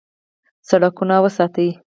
سړکونه وساتئ